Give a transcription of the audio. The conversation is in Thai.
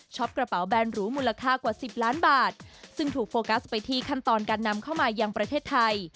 กระเป๋าแบนหรูมูลค่ากว่าสิบล้านบาทซึ่งถูกโฟกัสไปที่ขั้นตอนการนำเข้ามายังประเทศไทย